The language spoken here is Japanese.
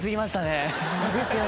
そうですよね。